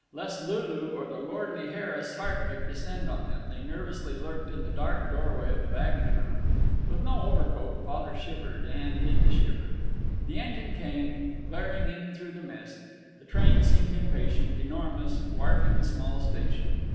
Lest Lulu or the lordly Harris Hartwig descend on them, they nervously lurked in the dark doorway of the baggage room. With no overcoat, Father shivered and hid the shiver. The engine came, glaring in through the mist; the train seemed impatient, enormous, dwarfing the small station.